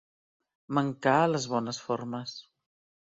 Mancar a les bones formes.